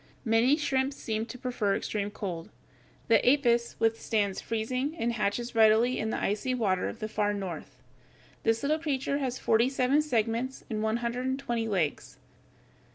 Many shrimps seem to prefer extreme cold. The Apus (Fig. 140), withstands freezing, and hatches readily in the icy water of the far north. This little creature has forty seven segments and one hundred and twenty legs.